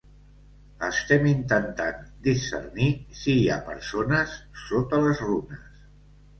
Estem intentant discernir si hi ha persones sota les runes.